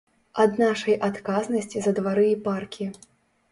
Ад нашай адказнасці за двары і паркі.